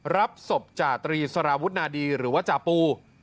รับศพจาตรีสารวุฒนาดีหรือว่าจาปู